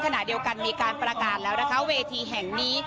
ขณะเดียวกันมีการประกาศแล้วนะคะเวทีแห่งนี้